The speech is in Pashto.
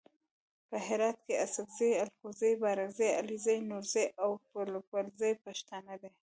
په هرات کې اڅګزي الکوزي بارګزي علیزي نورزي او پوپلزي پښتانه دي.